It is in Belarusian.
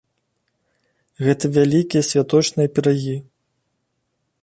Гэта вялікія святочныя пірагі.